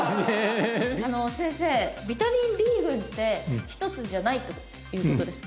先生ビタミンＢ群って１つじゃないということですか？